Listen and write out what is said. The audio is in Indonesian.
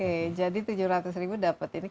oke jadi tujuh ratus ribu dapat ini